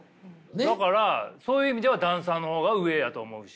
だからそういう意味ではダンサーの方が上やと思うし。